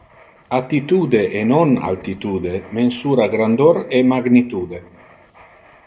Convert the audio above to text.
Attitude, e non altitude, mensura grandor e magnitude.